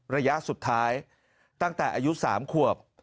ระยะสุดท้ายตั้งแต่อายุ๓ขวบ